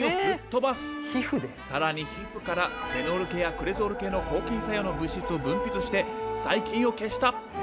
更に皮膚からフェノール系やクレゾール系の抗菌作用の物質を分泌して細菌を消した！